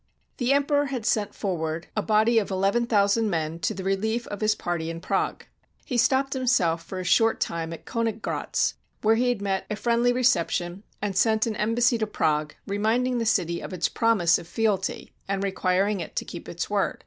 The Emperor had sent forward a body of ii, ooo men to the relief of his party in Prague. He stopped himself for a short time at Koniggratz, where he had met a friendly reception, and sent an embassy to Prague, re minding the city of its promise of fealty, and requiring it to keep its word.